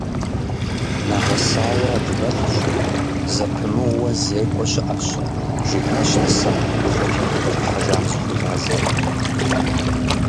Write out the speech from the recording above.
Нэгъэсауэ адыгэлӏщ, зэпымыууэ зекӏуэ щыӏэщ, жиӏащ нысэм, лӏы чэф къыщӏыхьэжам зыхуигъазри.